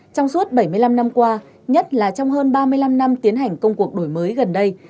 trong suốt bảy mươi năm năm qua nhất là trong hơn ba mươi năm năm tiến hành công cuộc đổi mới gần đây